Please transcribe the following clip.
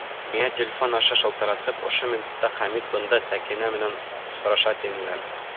Миңә телефон аша шылтыратып, ошо минутта Хәмит бында Сәкинә менән осраша, тинеләр.